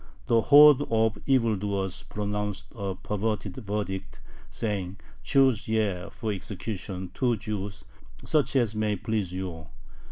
The horde of evil doers pronounced a perverted verdict, saying: "Choose ye [for execution] two Jews, such as may please you."